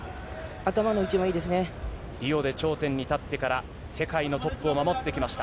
リオで頂点に立ってから世界のトップを守ってきました。